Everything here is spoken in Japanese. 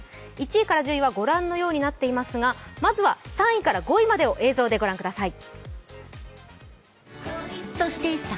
１位から１０位は御覧のようになっていますがまずは３位から５位までを映像でご覧ください。